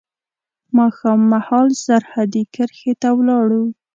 ماښام مهال سرحدي کرښې ته ولاړو.